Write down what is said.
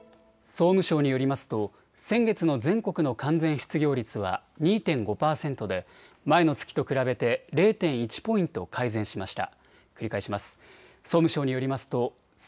総務省によりますと先月の全国の完全失業率は２．５％で前の月と比べて０．１ポイント改善しました。